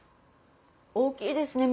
大きいですね